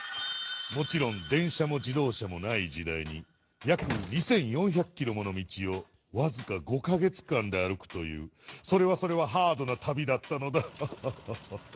もちろん電車も自どう車もない時代にやく２，４００キロもの道をわずか５か月間で歩くというそれはそれはハードな旅だったのだッハッハッハッ。